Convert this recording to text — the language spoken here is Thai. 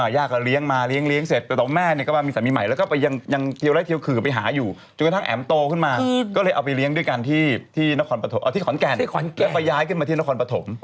ย่าก็เลี้ยงมาเลี้ยงเลี้ยงเสร็จแต่ตอนเราแม่ก็ว่ามีสามีใหม่ไปเทียวอาจไปหาอยู่จนกระทั่งแอ๋มโตขึ้นมาก็เลยเอาไปเลี้ยงด้วยกันที่ขอนแก่นแล้วไปย้ายมาที่นครปฐม